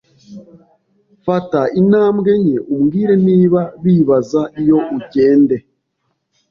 Fata intambwe nke umbwire niba bibabaza iyo ugende